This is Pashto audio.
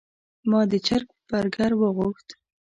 ما د چرګ برګر وغوښت.